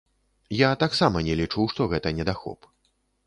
Я таксама не лічу, што гэта недахоп.